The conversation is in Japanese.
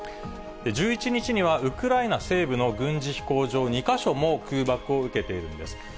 １１日には、ウクライナ西部の軍事飛行場２か所も、空爆を受けているんです。